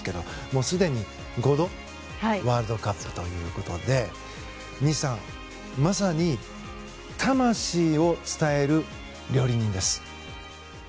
もう、すでに５度のワールドカップということで西さん、まさに魂を伝える料理人です。